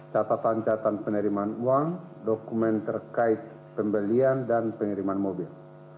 catatan catatan penerimaan uang dokumen terkait pembelian dan pengiriman mobil